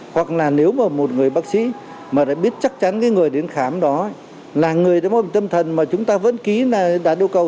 hoặc là nếu mà một người bác sĩ mà đã biết chắc chắn cái người đến khám đó là người đó có tâm thần mà chúng ta vẫn ký là đá đô cầu